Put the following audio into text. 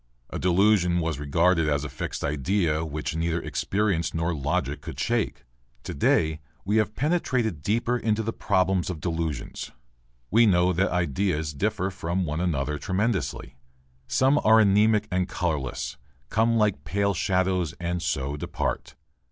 A delusion was regarded as a fixed idea which neither experience nor logic could shake. To day we have penetrated deeper into the problems of delusions. We know that ideas differ from one another tremendously. Some are anemic and colourless, come like pale shadows and so depart.